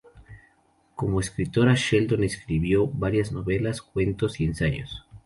Como escritora Sheldon escribió varias novelas, cuentos y ensayos.